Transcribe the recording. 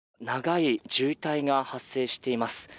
長い渋滞が発生しています。